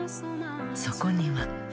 そこには。